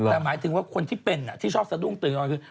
แต่หมายถึงว่าคนที่เป็นที่ชอบสะดุ้งตื่นก่อนคือ